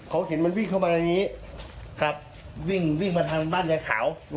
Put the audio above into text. เขาเห็นมันวิ่งเข้ามาในนี้วิ่งมาทางบ้านยายขาว